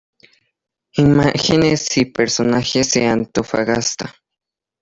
Imágenes y personajes de Antofagasta.